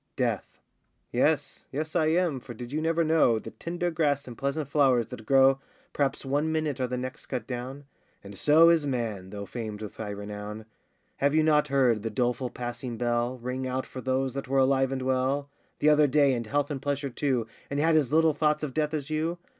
DEATH. Yes, yes, I am, for did you never know, The tender grass and pleasant flowers that grow Perhaps one minute, are the next cut down? And so is man, though famed with high renown. Have you not heard the doleful passing bell Ring out for those that were alive and well The other day, in health and pleasure too, And had as little thoughts of death as you?